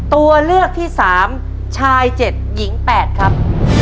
ตัวเลือกที่๓ชาย๗หญิง๘ครับ